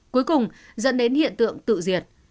cuối cùng dẫn đến hiện tượng tự diệt